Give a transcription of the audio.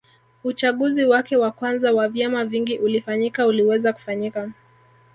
Uchaguzi wake wa kwanza wa vyama vingi ulifanyika uliweza kufanyika